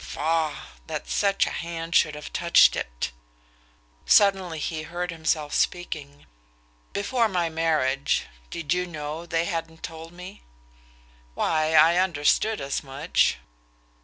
Faugh! That such a hand should have touched it! Suddenly he heard himself speaking. "Before my marriage did you know they hadn't told me?" "Why, I understood as much..."